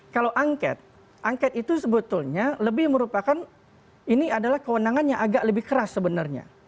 kalau angket angket itu sebetulnya lebih merupakan ini adalah kewenangan yang agak lebih keras sebenarnya